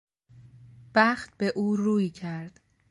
بخت به او روی کرد.